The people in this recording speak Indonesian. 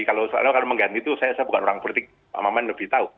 kalau mengganti itu saya bukan orang politik pak maman lebih tahu